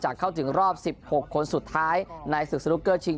เข้าถึงรอบ๑๖คนสุดท้ายในศึกสนุกเกอร์ชิง